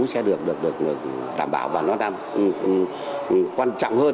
sẽ được đảm bảo và nó đang quan trọng hơn